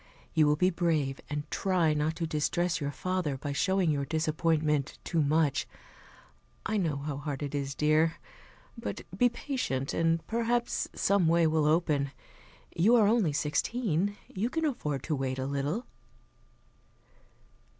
You will be brave, and try not to distress your father by showing your disappointment too much. I know how hard it is, dear. But be patient, and perhaps some way will open. You are only sixteen, you can afford to wait a little."